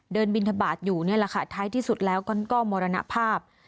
บินทบาทอยู่นี่แหละค่ะท้ายที่สุดแล้วก็มรณภาพ